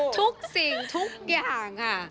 ทุกสิ่งทุกอย่างค่ะ